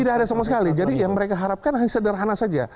tidak ada sama sekali jadi yang mereka harapkan hanya sederhana saja